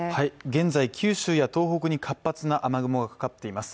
現在、九州や東北に活発な雨雲がかかっています。